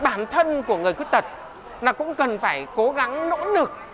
bản thân của người khuyết tật là cũng cần phải cố gắng nỗ lực